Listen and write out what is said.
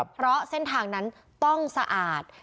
เพราะเส้นทางนั้นต้องสะอาด